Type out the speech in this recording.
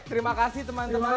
terima kasih teman teman